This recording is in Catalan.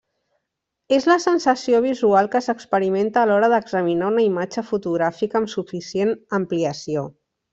És la sensació visual que s'experimenta a l'hora d'examinar una imatge fotogràfica amb suficient ampliació.